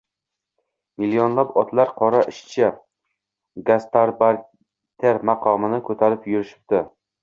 Millionlab otalar «qora ishchi», «gastarbayter» maqomini ko‘tarib yurishibdi.